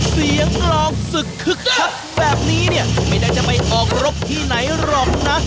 ร้องศึกคึกคักแบบนี้เนี่ยไม่ได้จะไปออกรบที่ไหนหรอกนะ